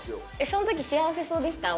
その時幸せそうでした？